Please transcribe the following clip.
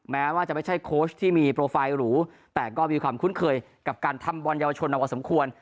แม้ว่าจะไม่ใช่โค้ชที่มีโปรไฟล์หรูแต่ก็มีความคุ้นเคยกับการทำบอลเยาวชนมาพอสมควร